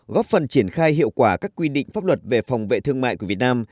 góp phần triển khai hiệu quả các quy định pháp luật về phòng vệ thương mại của việt nam